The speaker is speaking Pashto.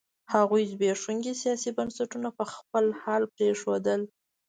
هغوی زبېښونکي سیاسي بنسټونه په خپل حال پرېښودل.